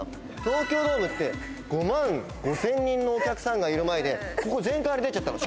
東京ドームって５万５，０００人のお客さんがいる前でここ全開で出ちゃったの。